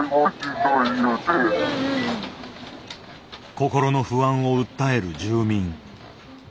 心の不安を訴える住民。